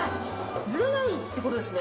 ズレないってことですね。